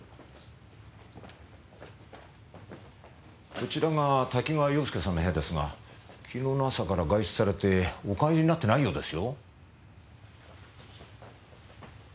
こちらが多岐川洋介さんの部屋ですが昨日の朝から外出されてお帰りになってないようですよ。